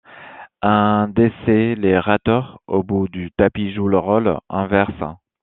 Un décélérateur au bout du tapis joue le rôle inverse.